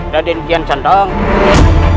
tidak ada yang bisa dikira